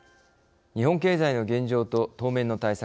日本経済の現状と当面の対策。